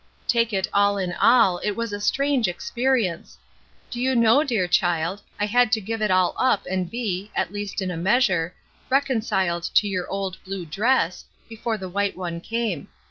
''Take it all in all, it was a strange experience. Do you know, dear child, I had to give it all up and be, at least in a measure, reconciled to your old blue dress, before the white one came.